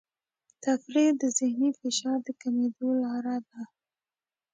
تفریح د ذهني فشار د کمېدو لاره ده.